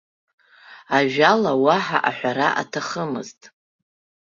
Ажәала уаҳа аҳәара аҭахымызт.